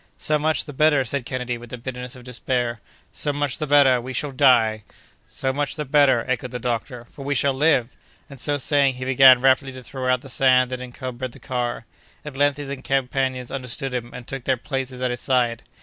"So much the better!" said Kennedy, with the bitterness of despair. "So much the better—we shall die!" "So much the better!" echoed the doctor, "for we shall live!" and, so saying, he began rapidly to throw out the sand that encumbered the car. At length his companions understood him, and took their places at his side.